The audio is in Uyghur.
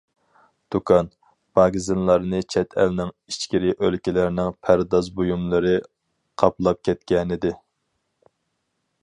دۇكان، ماگىزىنلارنى چەت ئەلنىڭ، ئىچكىرى ئۆلكىلەرنىڭ پەرداز بۇيۇملىرى قاپلاپ كەتكەنىدى.